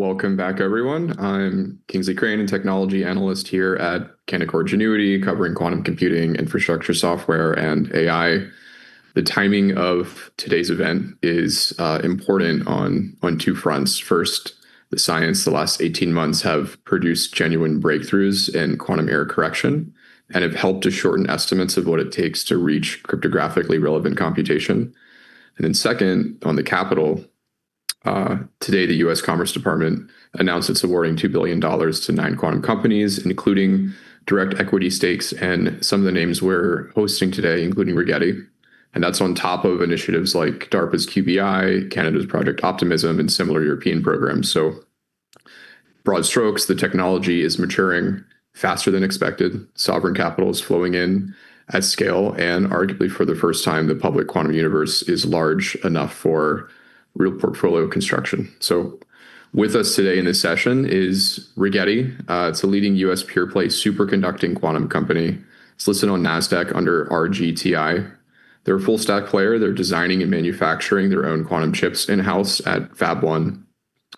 Welcome back, everyone. I'm Kingsley Crane, a technology analyst here at Canaccord Genuity, covering quantum computing, infrastructure software, and AI. The timing of today's event is important on two fronts. First, the science the last 18 months have produced genuine breakthroughs in quantum error correction and have helped to shorten estimates of what it takes to reach cryptographically relevant computation. Second, on the capital, today the U.S. Department of Commerce announced it's awarding $2 billion to nine quantum companies, including direct equity stakes and some of the names we're hosting today, including Rigetti. That's on top of initiatives like DARPA's QBI, Canada's Project OPTIMISM, and similar European programs. Broad strokes, the technology is maturing faster than expected. Sovereign capital is flowing in at scale, and arguably for the first time, the public quantum universe is large enough for real portfolio construction. With us today in this session is Rigetti. It's a leading U.S. pure-play superconducting quantum company. It's listed on Nasdaq under RGTI. They're a full-stack player. They're designing and manufacturing their own quantum chips in-house at Fab 1,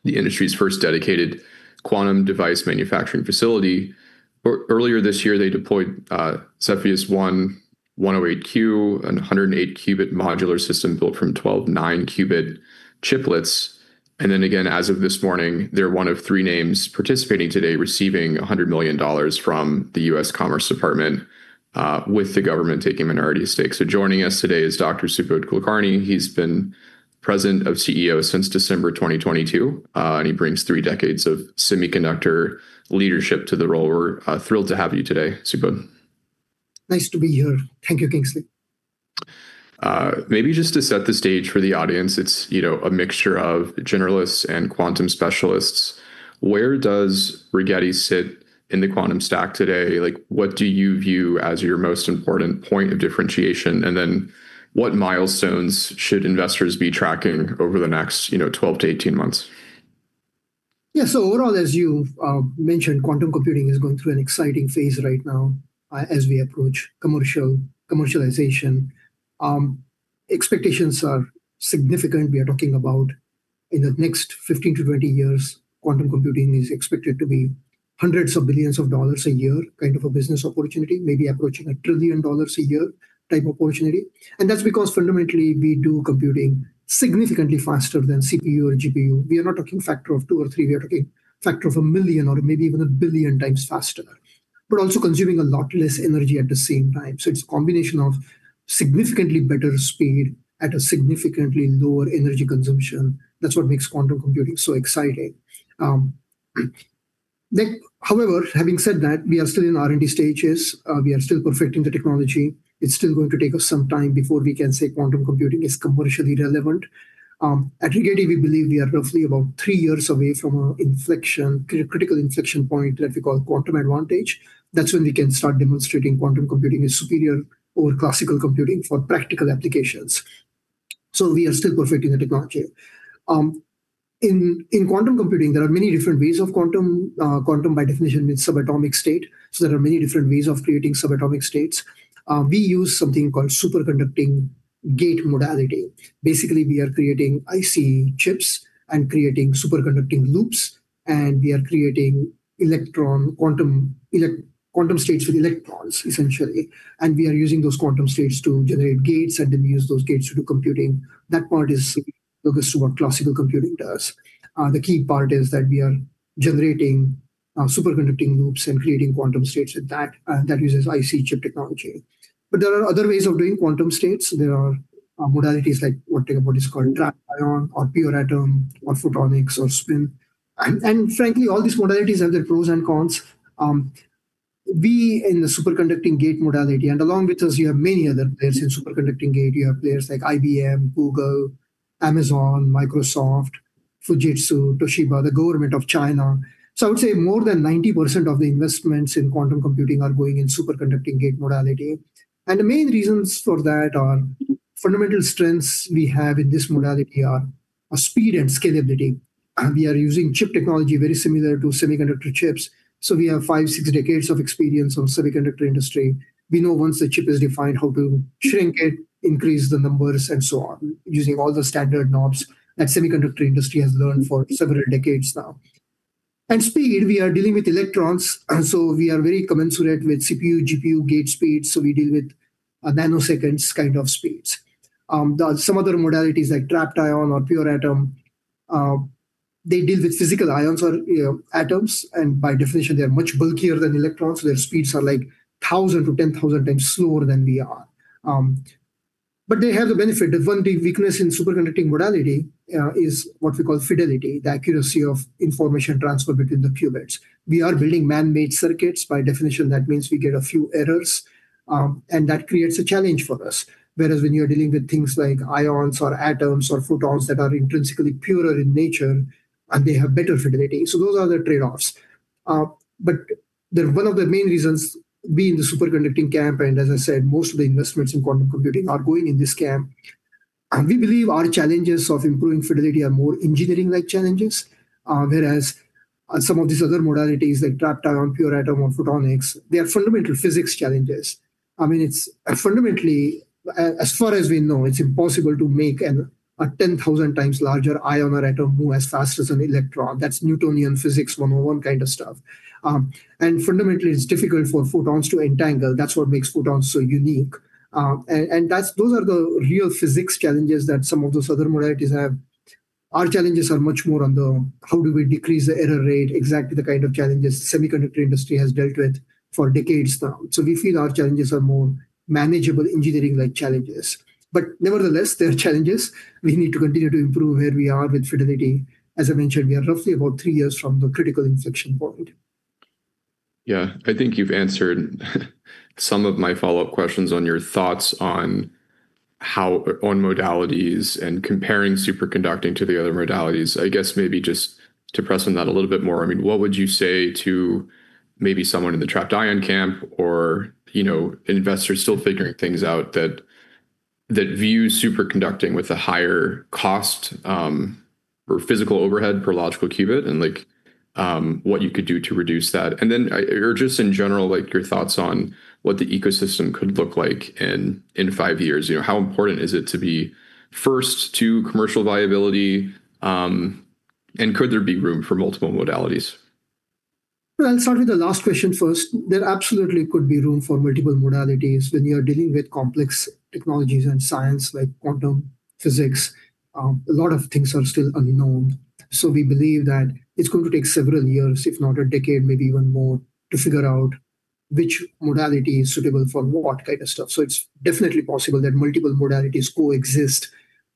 the industry's first dedicated quantum device manufacturing facility. Earlier this year, they deployed Cepheus-1-108Q, a 108-qubit modular system built from 12 9-qubit chiplets. Again, as of this morning, they're one of three names participating today receiving $100 million from the U.S. Department of Commerce, with the government taking minority stakes. Joining us today is Dr. Subodh Kulkarni. He's been President and Chief Executive Officer since December 2022, and he brings three decades of semiconductor leadership to the role. We're thrilled to have you today, Subodh. Nice to be here. Thank you, Kingsley. Maybe just to set the stage for the audience, it's a mixture of generalists and quantum specialists. Where does Rigetti sit in the quantum stack today? What do you view as your most important point of differentiation? What milestones should investors be tracking over the next 12-18 months? Yeah. Overall, as you've mentioned, quantum computing is going through an exciting phase right now as we approach commercialization. Expectations are significant. We are talking about in the next 15-20 years, quantum computing is expected to be hundreds of billions of dollars a year kind of a business opportunity, maybe approaching a trillion dollars a year type opportunity. That's because fundamentally, we do computing significantly faster than CPU or GPU. We are not talking factor of two or three, we are talking factor of a million or maybe even a billion times faster, but also consuming a lot less energy at the same time. It's a combination of significantly better speed at a significantly lower energy consumption. That's what makes quantum computing so exciting. Having said that, we are still in R&D stages. We are still perfecting the technology. It's still going to take us some time before we can say quantum computing is commercially relevant. At Rigetti, we believe we are roughly about three years away from a critical inflection point that we call quantum advantage. That's when we can start demonstrating quantum computing is superior over classical computing for practical applications. We are still perfecting the technology. In quantum computing, there are many different ways of quantum. Quantum, by definition, means subatomic state. There are many different ways of creating subatomic states. We use something called superconducting gate modality. Basically, we are creating IC chips and creating superconducting loops, and we are creating quantum states with electrons, essentially. We are using those quantum states to generate gates, and then we use those gates to do computing. That part is similar to what classical computing does. The key part is that we are generating superconducting loops and creating quantum states, and that uses IC chip technology. There are other ways of doing quantum states. There are modalities like what is called trapped ion or neutral atom or photonics or spin. Frankly, all these modalities have their pros and cons. We in the superconducting gate modality. Along with us, you have many other players in superconducting gate. You have players like IBM, Google, Amazon, Microsoft, Fujitsu, Toshiba, the government of China. I would say more than 90% of the investments in quantum computing are going in superconducting gate modality. The main reasons for that are fundamental strengths we have in this modality are speed and scalability. We are using chip technology very similar to semiconductor chips. We have five, six decades of experience on semiconductor industry. We know once the chip is defined, how to shrink it, increase the numbers, and so on, using all the standard knobs that semiconductor industry has learned for several decades now. Speed, we are dealing with electrons, so we are very commensurate with CPU, GPU gate speeds, so we deal with nanoseconds kind of speeds. Some other modalities like trapped ion or neutral atom, they deal with physical ions or atoms, and by definition, they're much bulkier than electrons. Their speeds are 1,000-10,000 times slower than we are. They have the benefit. The one weakness in superconducting modality is what we call fidelity, the accuracy of information transfer between the qubits. We are building man-made circuits. By definition, that means we get a few errors, and that creates a challenge for us. Whereas when you're dealing with things like ions or atoms or photons that are intrinsically purer in nature, and they have better fidelity. Those are the trade-offs. One of the main reasons we in the superconducting camp, and as I said, most of the investments in quantum computing are going in this camp, and we believe our challenges of improving fidelity are more engineering-like challenges. Whereas some of these other modalities like trapped ion, neutral atom, or photonics, they are fundamental physics challenges. It's fundamentally, as far as we know, it's impossible to make a 10,000 times larger ion or atom move as fast as an electron. That's Newtonian physics 101 kind of stuff. Fundamentally, it's difficult for photons to entangle. That's what makes photons so unique. Those are the real physics challenges that some of those other modalities have. Our challenges are much more on the how do we decrease the error rate, exactly the kind of challenges semiconductor industry has dealt with for decades now. We feel our challenges are more manageable engineering-like challenges. Nevertheless, they are challenges. We need to continue to improve where we are with fidelity. As I mentioned, we are roughly about three years from the critical inflection point. Yeah. I think you've answered some of my follow-up questions on your thoughts on modalities and comparing superconducting to the other modalities. I guess maybe just to press on that a little bit more, what would you say to maybe someone in the trapped ion camp or an investor still figuring things out that views superconducting with a higher cost for physical overhead per logical qubit, and what you could do to reduce that? Then just in general, your thoughts on what the ecosystem could look like in five years? How important is it to be first to commercial viability, and could there be room for multiple modalities? Well, I'll start with the last question first. There absolutely could be room for multiple modalities. When you are dealing with complex technologies and science like quantum physics, a lot of things are still unknown. We believe that it's going to take several years, if not a decade, maybe even more, to figure out which modality is suitable for what kind of stuff. It's definitely possible that multiple modalities coexist,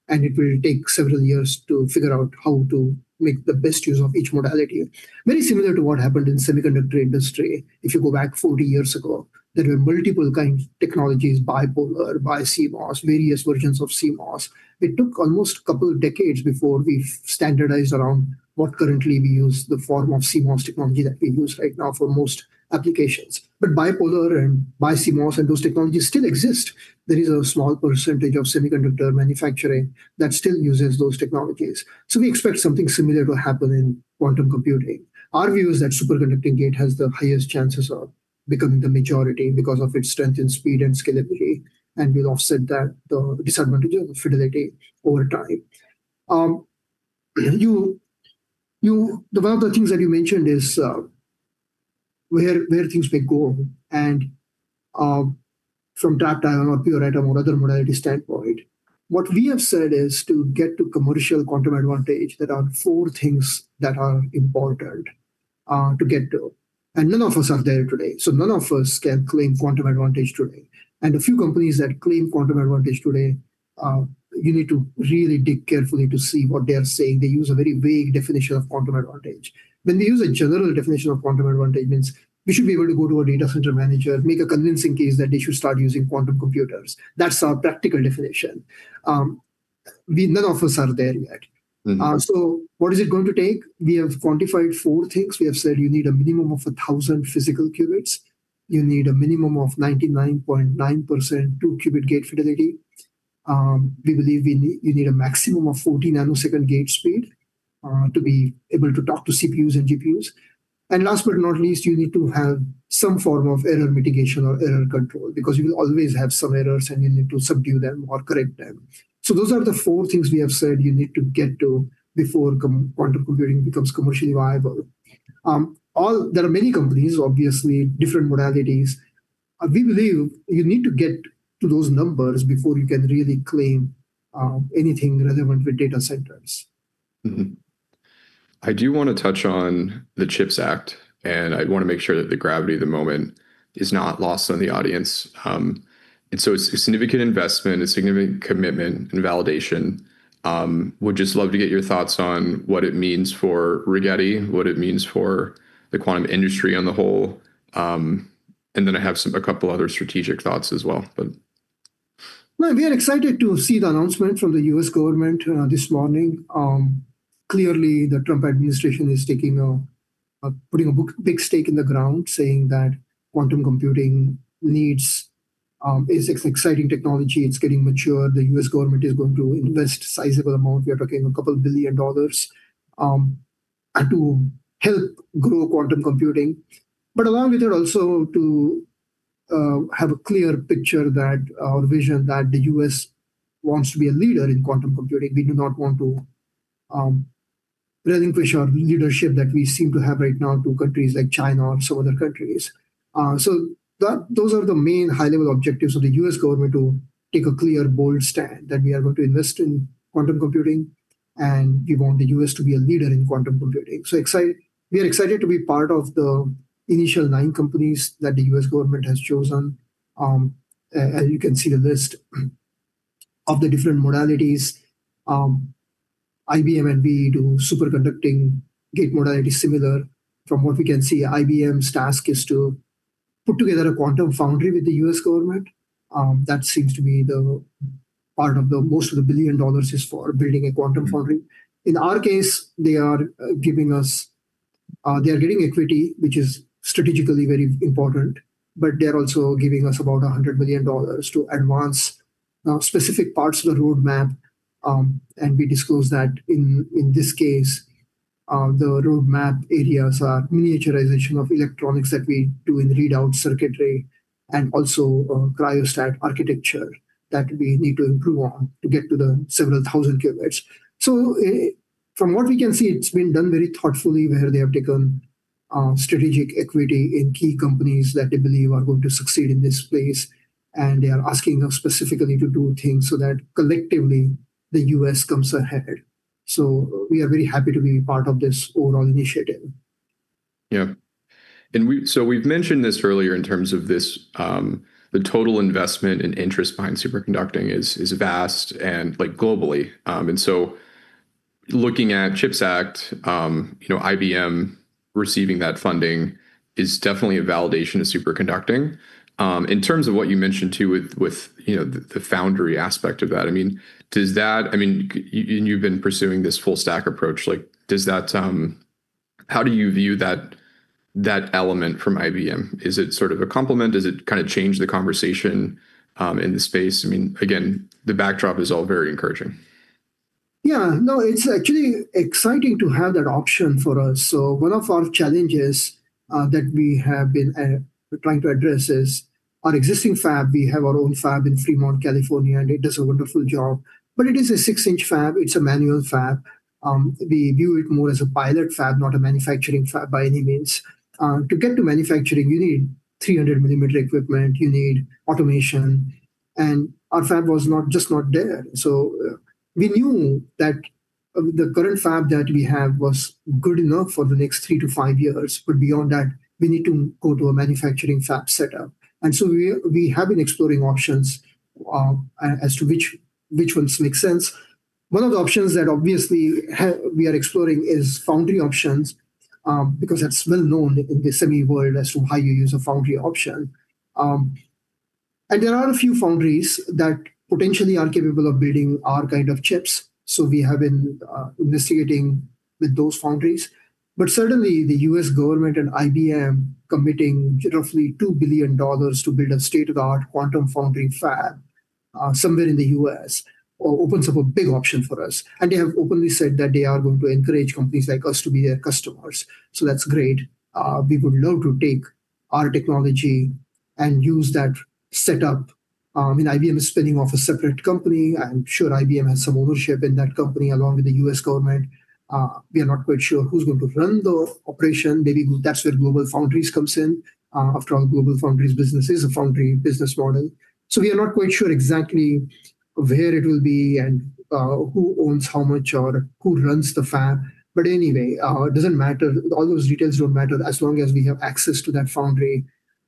and it will take several years to figure out how to make the best use of each modality. Very similar to what happened in semiconductor industry. If you go back 40 years ago, there were multiple kinds of technologies, bipolar, BiCMOS, various versions of CMOS. It took almost a couple of decades before we standardized around what currently we use, the form of CMOS technology that we use right now for most applications. Bipolar and BiCMOS and those technologies still exist. There is a small percentage of semiconductor manufacturing that still uses those technologies. We expect something similar to happen in quantum computing. Our view is that superconducting gate has the highest chances of becoming the majority because of its strength in speed and scalability, and will offset the disadvantage of fidelity over time. One of the things that you mentioned is where things may go, and from trapped ion or neutral atom or other modality standpoint, what we have said is to get to commercial quantum advantage, there are four things that are important to get to. None of us are there today, so none of us can claim quantum advantage today. A few companies that claim quantum advantage today, you need to really dig carefully to see what they are saying. They use a very vague definition of quantum advantage. They use a general definition of quantum advantage, means we should be able to go to a data center manager, make a convincing case that they should start using quantum computers. That's our practical definition. None of us are there yet. What is it going to take? We have quantified four things. We have said you need a minimum of 1,000 physical qubits. You need a minimum of 99.9% two-qubit gate fidelity. We believe you need a maximum of 40-nanosecond gate speed to be able to talk to CPUs and GPUs. Last but not least, you need to have some form of error mitigation or error control, because you will always have some errors, and you need to subdue them or correct them. Those are the four things we have said you need to get to before quantum computing becomes commercially viable. There are many companies, obviously, different modalities. We believe you need to get to those numbers before you can really claim anything relevant with data centers. Mm-hmm. I do want to touch on the CHIPS Act. I want to make sure that the gravity of the moment is not lost on the audience. It's a significant investment, a significant commitment and validation. Would just love to get your thoughts on what it means for Rigetti, what it means for the quantum industry on the whole. Then I have a couple other strategic thoughts as well. We are excited to see the announcement from the U.S. government this morning. Clearly, the Trump administration is putting a big stake in the ground, saying that quantum computing is an exciting technology. It's getting mature. The U.S. government is going to invest sizable amount, we are talking a couple of billion dollars, to help grow quantum computing. Along with it, also to have a clear picture that our vision that the U.S. wants to be a leader in quantum computing. We do not want to relinquish our leadership that we seem to have right now to countries like China or some other countries. Those are the main high-level objectives of the U.S. government to take a clear, bold stand that we are going to invest in quantum computing, and we want the U.S. to be a leader in quantum computing. We are excited to be part of the initial nine companies that the U.S. government has chosen. You can see the list of the different modalities. IBM and we do superconducting gate modality similar. From what we can see, IBM's task is to put together a quantum foundry with the U.S. government. That seems to be the part of the most of the $1 billion is for building a quantum foundry. In our case, they are giving equity, which is strategically very important, but they're also giving us about $100 million to advance specific parts of the roadmap. We disclose that in this case, the roadmap areas are miniaturization of electronics that we do in readout circuitry, and also cryostat architecture that we need to improve on to get to the several thousand qubits. From what we can see, it's been done very thoughtfully, where they have taken strategic equity in key companies that they believe are going to succeed in this space, and they are asking us specifically to do things so that collectively, the U.S. comes ahead. We are very happy to be part of this overall initiative. Yeah. We've mentioned this earlier in terms of the total investment and interest behind superconducting is vast and globally. Looking at CHIPS Act, IBM receiving that funding is definitely a validation of superconducting. In terms of what you mentioned too with the foundry aspect of that, and you've been pursuing this full-stack approach, how do you view that element from IBM? Is it sort of a complement? Does it kind of change the conversation in the space? Again, the backdrop is all very encouraging. It's actually exciting to have that option for us. One of our challenges that we have been trying to address is our existing fab, we have our own fab in Fremont, California, and it does a wonderful job, but it is a 6-inch fab, it's a manual fab. We view it more as a pilot fab, not a manufacturing fab by any means. To get to manufacturing, you need 300-millimeter equipment, you need automation, and our fab was just not there. We knew that the current fab that we have was good enough for the next three to five years, but beyond that, we need to go to a manufacturing fab setup. We have been exploring options as to which ones make sense. One of the options that obviously we are exploring is foundry options, because that's well known in the semi world as to how you use a foundry option. There are a few foundries that potentially are capable of building our kind of chips, so we have been investigating with those foundries. Certainly, the U.S. government and IBM committing roughly $2 billion to build a state-of-the-art quantum foundry fab somewhere in the U.S. opens up a big option for us, and they have openly said that they are going to encourage companies like us to be their customers. That's great. We would love to take our technology and use that setup. IBM is spinning off a separate company, Sure, IBM has some ownership in that company, along with the U.S. government. We are not quite sure who's going to run the operation. Maybe that's where GlobalFoundries comes in. After all, GlobalFoundries business is a foundry business model. We are not quite sure exactly where it will be and who owns how much or who runs the fab. Anyway, it doesn't matter. All those details don't matter. As long as we have access to that foundry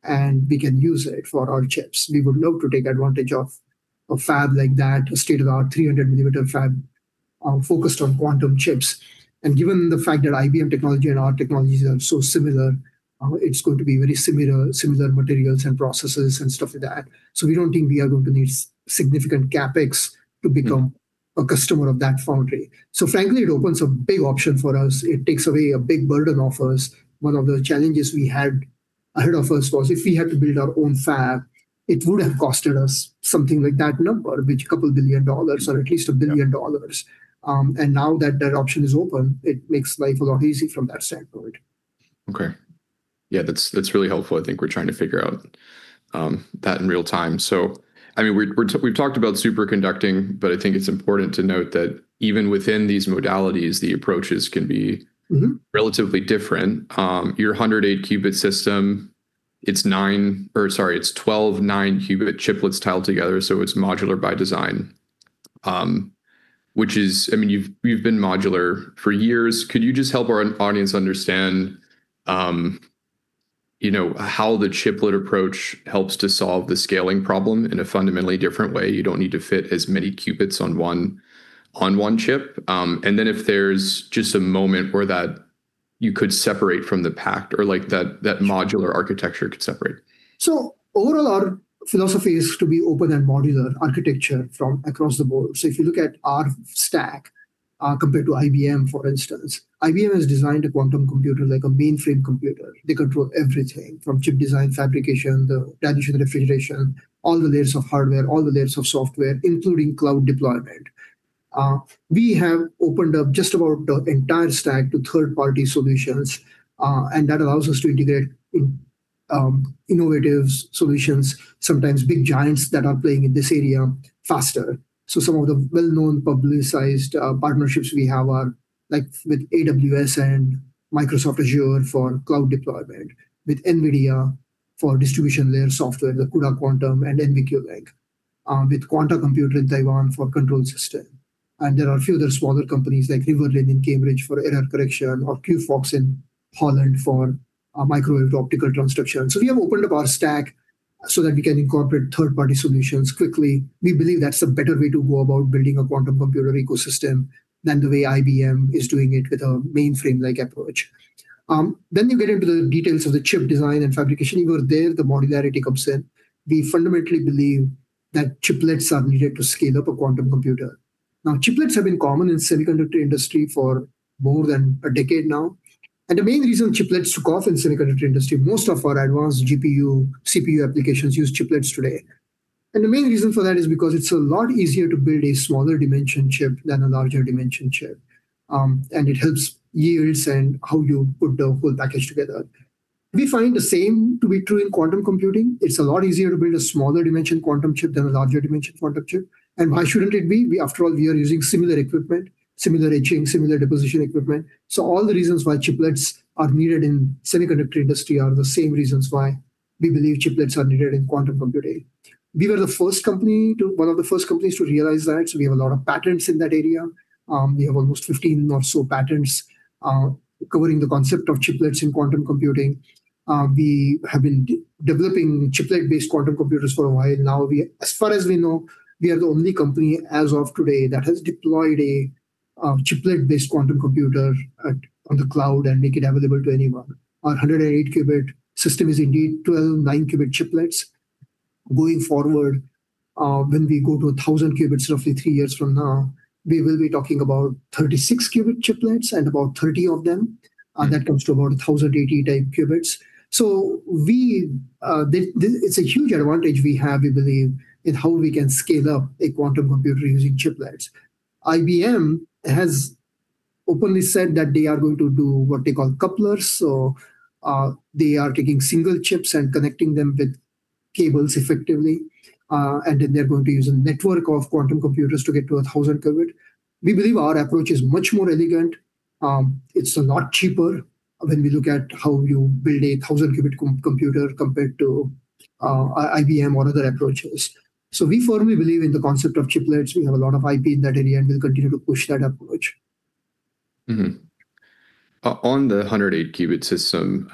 and we can use it for our chips. We would love to take advantage of a fab like that, a state-of-the-art 300 mm fab focused on quantum chips. Given the fact that IBM technology and our technologies are so similar, it's going to be very similar materials and processes and stuff like that. We don't think we are going to need significant CapEx to become a customer of that foundry. Frankly, it opens a big option for us. It takes away a big burden off us. One of the challenges we had ahead of us was if we had to build our own fab, it would have costed us something like that number, which a couple billion dollars or at least $1 billion. Now that that option is open, it makes life a lot easy from that standpoint. Okay. Yeah, that's really helpful, I think we're trying to figure out that in real time. We've talked about superconducting, but I think it's important to note that even within these modalities, the approaches can be, relatively different. Your 108-qubit system, it's 12 9-qubit chiplets tiled together, so it's modular by design. You've been modular for years. Could you just help our audience understand how the chiplet approach helps to solve the scaling problem in a fundamentally different way? You don't need to fit as many qubits on one chip. If there's just a moment where you could separate from the pack or that modular architecture could separate. Overall, our philosophy is to be open and modular architecture from across the board. If you look at our stack compared to IBM, for instance, IBM has designed a quantum computer like a mainframe computer. They control everything from chip design, fabrication, the dilution refrigeration, all the layers of hardware, all the layers of software, including cloud deployment. We have opened up just about the entire stack to third-party solutions, and that allows us to integrate innovative solutions, sometimes big giants that are playing in this area faster. Some of the well-known, publicized partnerships we have are with AWS and Microsoft Azure for cloud deployment, with NVIDIA for distribution layer software, the CUDA-Q and NVQLink, with Quanta Computer in Taiwan for control system. There are a few other smaller companies like Riverlane in Cambridge for error correction, or QphoX in Holland for microwave optical transduction. We have opened up our stack so that we can incorporate third-party solutions quickly. We believe that's a better way to go about building a quantum computer ecosystem than the way IBM is doing it with a mainframe-like approach. You get into the details of the chip design and fabrication. You go there, the modularity comes in. We fundamentally believe that chiplets are needed to scale up a quantum computer. Chiplets have been common in the semiconductor industry for more than 10 years. The main reason chiplets took off in the semiconductor industry, most of our advanced GPU, CPU applications use chiplets today. The main reason for that is because it's a lot easier to build a smaller dimension chip than a larger dimension chip, and it helps yields and how you put the whole package together. We find the same to be true in quantum computing. It's a lot easier to build a smaller dimension quantum chip than a larger dimension quantum chip. Why shouldn't it be? After all, we are using similar equipment, similar etching, similar deposition equipment. All the reasons why chiplets are needed in the semiconductor industry are the same reasons why we believe chiplets are needed in quantum computing. We were one of the first companies to realize that. We have a lot of patents in that area. We have almost 15 or so patents covering the concept of chiplets in quantum computing. We have been developing chiplet-based quantum computers for a while now. As far as we know, we are the only company as of today that has deployed a chiplet-based quantum computer on the cloud and make it available to anyone. Our 108-qubit system is indeed 12 9-qubit chiplets. Going forward, when we go to 1,000 qubits roughly three years from now, we will be talking about 36-qubit chiplets and about 30 of them. That comes to about 1,080-type qubits. It's a huge advantage we have, we believe, in how we can scale up a quantum computer using chiplets. IBM has openly said that they are going to do what they call couplers, they are taking single chips and connecting them with cables effectively, and then they're going to use a network of quantum computers to get to 1,000-qubit. We believe our approach is much more elegant. It's a lot cheaper when we look at how you build a 1,000-qubit computer compared to IBM or other approaches. We firmly believe in the concept of chiplets. We have a lot of IP in that area, and we'll continue to push that approach. On the 108-qubit system,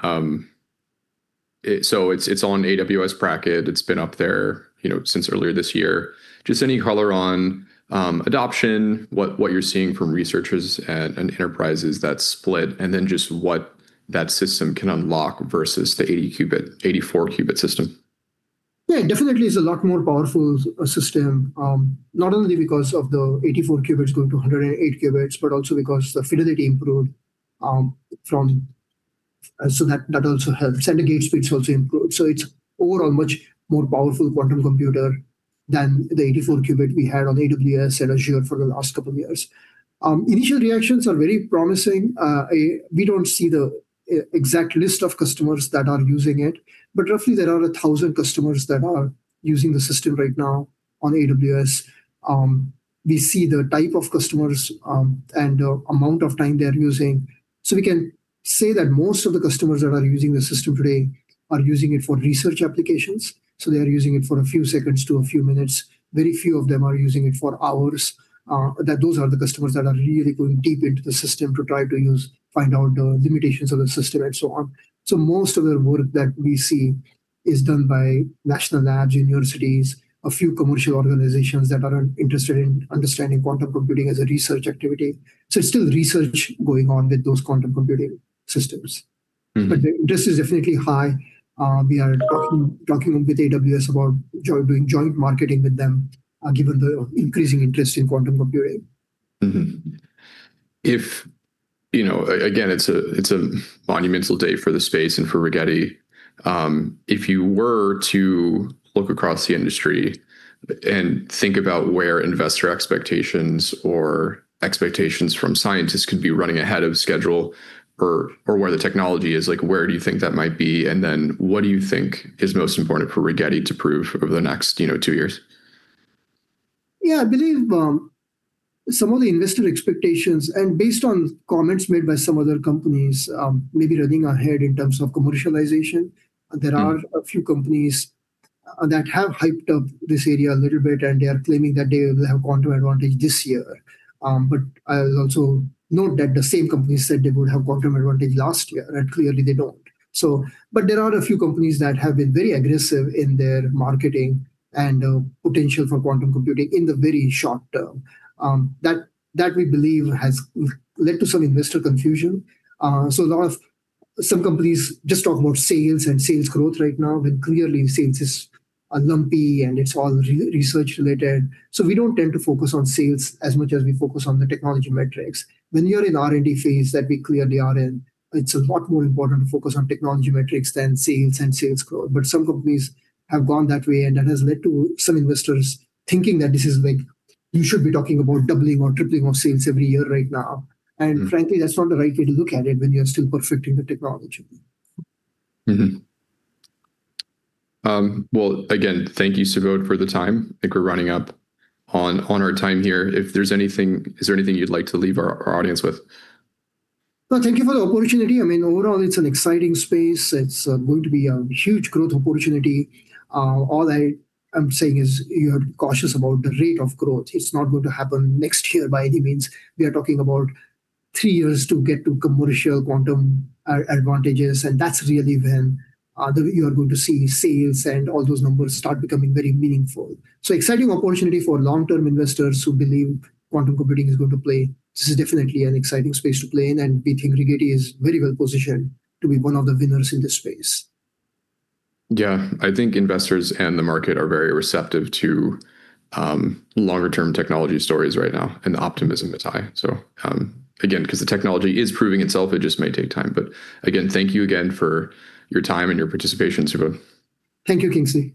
so it's on AWS Braket. It's been up there since earlier this year. Just any color on adoption, what you're seeing from researchers and enterprises that split, and then just what that system can unlock versus the 84-qubit system? Yeah, definitely it's a lot more powerful a system, not only because of the 84-qubits going to 108 qubits, but also because the fidelity improved. That also helps. Gate speeds also improved. It's overall a much more powerful quantum computer than the 84-qubit we had on AWS and Azure for the last couple of years. Initial reactions are very promising. We don't see the exact list of customers that are using it, but roughly there are 1,000 customers that are using the system right now on AWS. We see the type of customers and the amount of time they're using. We can say that most of the customers that are using the system today are using it for research applications. They are using it for a few seconds to a few minutes. Very few of them are using it for hours. Those are the customers that are really going deep into the system to try to find out the limitations of the system and so on. Most of the work that we see is done by national labs, universities, a few commercial organizations that are interested in understanding quantum computing as a research activity. It's still research going on with those quantum computing systems. This is definitely high. We are talking with AWS about doing joint marketing with them, given the increasing interest in quantum computing. Mm-hmm. Again, it's a monumental day for the space and for Rigetti. If you were to look across the industry and think about where investor expectations or expectations from scientists could be running ahead of schedule, or where the technology is, where do you think that might be? Then what do you think is most important for Rigetti to prove over the next two years? Yeah, I believe some of the investor expectations, and based on comments made by some other companies, may be running ahead in terms of commercialization. There are a few companies that have hyped up this area a little bit, and they are claiming that they will have quantum advantage this year. I'll also note that the same company said they would have quantum advantage last year, and clearly they don't. There are a few companies that have been very aggressive in their marketing and potential for quantum computing in the very short term. That, we believe, has led to some investor confusion. Some companies just talk about sales and sales growth right now, but clearly, sales is lumpy, and it's all research related. We don't tend to focus on sales as much as we focus on the technology metrics. When you're in R&D phase that we clearly are in, it's a lot more important to focus on technology metrics than sales and sales growth. Some companies have gone that way, and that has led to some investors thinking that this is like you should be talking about doubling or tripling of sales every year right now. Frankly, that's not the right way to look at it when you are still perfecting the technology. Well, again, thank you, Subodh, for the time. I think we're running up on our time here. Is there anything you'd like to leave our audience with? Well, thank you for the opportunity. Overall, it's an exciting space. It's going to be a huge growth opportunity. All I am saying is you have to be cautious about the rate of growth. It's not going to happen next year by any means. We are talking about three years to get to commercial quantum advantages, and that's really when you are going to see sales and all those numbers start becoming very meaningful. Exciting opportunity for long-term investors who believe quantum computing is going to play. This is definitely an exciting space to play in, and we think Rigetti is very well positioned to be one of the winners in this space. Yeah. I think investors and the market are very receptive to longer-term technology stories right now, and the optimism is high. Again, because the technology is proving itself, it just may take time. Again, thank you again for your time and your participation, Subodh. Thank you, Kingsley.